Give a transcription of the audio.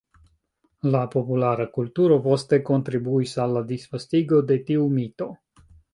La populara kulturo poste kontribuis al la disvastigo de tiu mito.